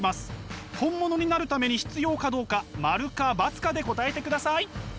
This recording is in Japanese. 本物になるために必要かどうか○か×かで答えてください。